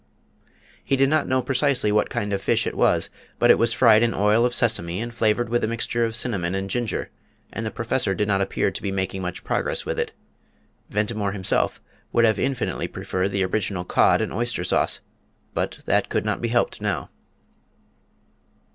He did not know precisely what kind of fish it was, but it was fried in oil of sesame and flavoured with a mixture of cinnamon and ginger, and the Professor did not appear to be making much progress with it. Ventimore himself would have infinitely preferred the original cod and oyster sauce, but that could not be helped now.